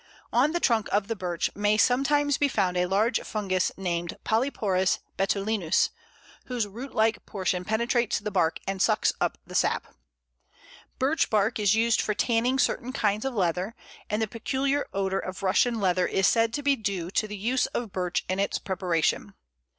On the trunk of the Birch may sometimes be found a large fungus named Polyporus betulinus, whose root like portion penetrates the bark and sucks up the sap. Birch bark is used for tanning certain kinds of leather, and the peculiar odour of Russian leather is said to be due to the use of Birch in its preparation.